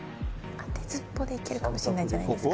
当てずっぽうでいけるかもしんないじゃないですか